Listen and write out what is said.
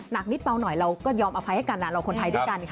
หนักนิดเบาหน่อยเราก็ยอมอภัยให้กันเราคนไทยด้วยกันค่ะ